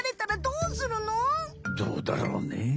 どうだろうね？